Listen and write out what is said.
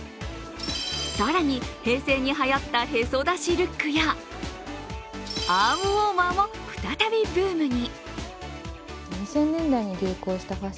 更に平成にはやったへそ出しルックや、アームウォーマーも再びブームに。